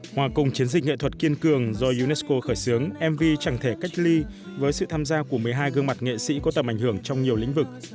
hòa cùng chiến dịch nghệ thuật kiên cường do unesco khởi xướng mv chẳng thể cách ly với sự tham gia của một mươi hai gương mặt nghệ sĩ có tầm ảnh hưởng trong nhiều lĩnh vực